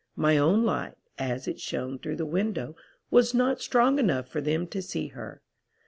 My own light, as it shown through the window, was not strong enough for them to see her.